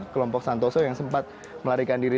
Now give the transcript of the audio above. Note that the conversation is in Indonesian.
kelompok santoso yang sempat melarikan diri